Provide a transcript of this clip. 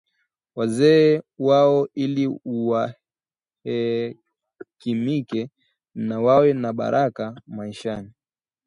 wazee wao ili wahekimike na wawe na baraka maishani